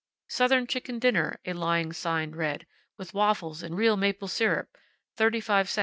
"Southern chicken dinner," a lying sign read, "with waffles and real maple syrup, 35 cents each."